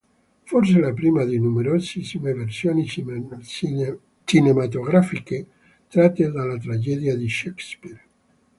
Forse la prima di numerosissime versioni cinematografiche tratte dalla tragedia di Shakespeare.